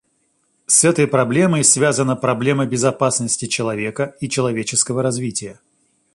С этой проблемой связана проблема безопасности человека и человеческого развития.